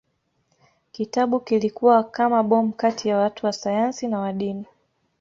Kitabu kilikuwa kama bomu kati ya watu wa sayansi na wa dini.